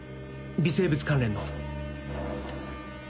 微生物関連の。